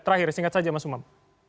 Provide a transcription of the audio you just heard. terakhir singkat saja mas umam